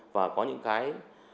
và có những cái